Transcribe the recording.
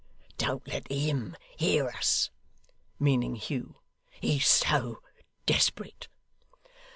Don't let HIM hear us (meaning Hugh); 'he's so desperate.